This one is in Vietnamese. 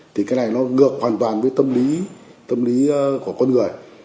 thì cái này nó ngược hoàn toàn với tâm lý của con người